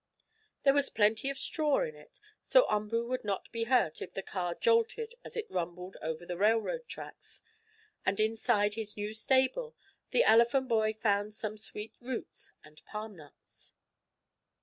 There was plenty of straw in it, so Umboo would not be hurt if the car jolted as it rumbled along over the railroad tracks, and inside his new stable the elephant boy found some sweet roots and palm nuts.